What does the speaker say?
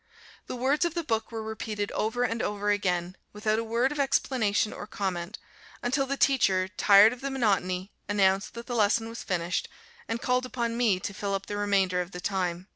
The words of the book were repeated over and over again, without a word of explanation or comment, until the teacher, tired of the monotony, announced that the lesson was finished, and called upon me to fill up the remainder of the time.